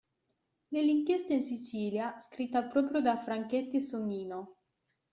Nell'Inchiesta in Sicilia, scritta proprio da Franchetti e Sonnino.